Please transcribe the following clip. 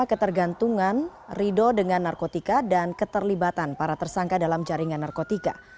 ketergantungan ridho dengan narkotika dan keterlibatan para tersangka dalam jaringan narkotika